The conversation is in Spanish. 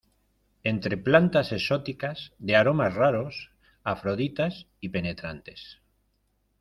entre plantas exóticas, de aromas raros , afroditas y penetrantes.